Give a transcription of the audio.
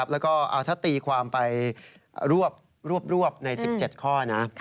แล้วก็ถ้าตีความไปรวบใน๑๗ข้อนะ